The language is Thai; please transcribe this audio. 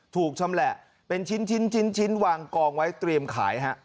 ถูกชำแหละเป็นชิ้นวางกองไว้เตรียมขายฮะ